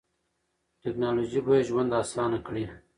ټیکنالوژي به ژوند اسانه کړي.